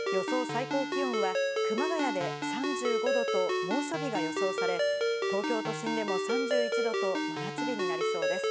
最高気温は熊谷で３５度と猛暑日が予想され、東京都心でも３１度と真夏日になりそうです。